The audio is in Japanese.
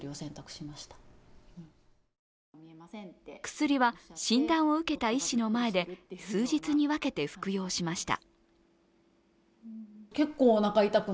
薬は診断を受けた医師の前で数日に分けて服用しました。